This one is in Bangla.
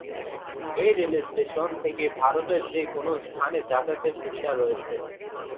এই রেলস্টেশন থেকে ভারতের যে কোনো স্থানে যাতায়াতের সুবিধা রয়েছে।